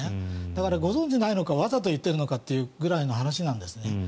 だから、ご存じないのかわざと言っているのかというぐらいの話なんですね。